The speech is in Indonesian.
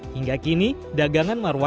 hingga kini dagangan mengembangkan